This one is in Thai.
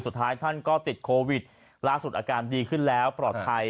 สุดท้ายท่านก็ติดโควิดล่าสุดอาการดีขึ้นแล้วปลอดภัย